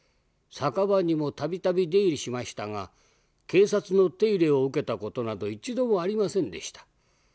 酒場にも度々出入りしましたが警察の手入れを受けた事など一度もありませんでした。